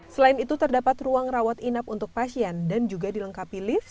selain itu terdapat ruang rawat inap untuk pasien dan juga dilengkapi lift